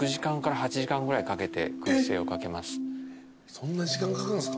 そんな時間かかるんすか。